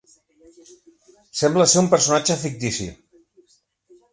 Sembla ser un personatge fictici.